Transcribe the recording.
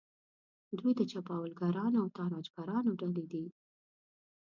دوی د چپاولګرانو او تاراجګرانو ډلې دي.